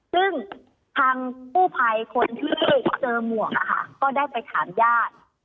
ซึ่งทางกู้ภัยคนที่เจอหมวกนะคะก็ได้ไปถามญาติ